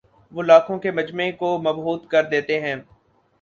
وہ لاکھوں کے مجمعے کو مبہوت کر دیتے ہیں